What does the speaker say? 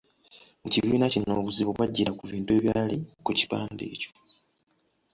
Mu kibiina kino obuzibu bw’ajjira ku bintu ebyali ku kipande ekyo.